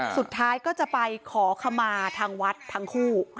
สุดท้ายก็จะไปขอขมาทางวัดทั้งคู่